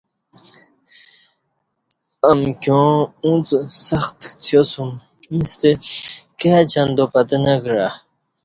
امکیاں اُݩڅ سخت کڅیاسُم ایݩستہ کائ چندا پتہ نہ کعہ